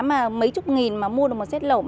mấy chục nghìn mà mua được một set lầu